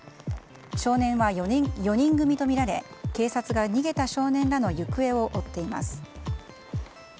少年は４人組とみられ警察が逃げた少年らの行方を追っています。